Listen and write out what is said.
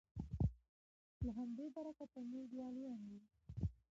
د همدې له برکته موږ ولیان یو